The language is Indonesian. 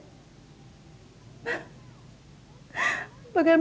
kenapa rambut biru untuk menikah dengan pitak teman lama